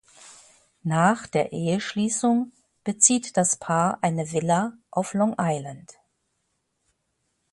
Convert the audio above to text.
Nach der Eheschließung bezieht das Paar eine Villa auf Long Island.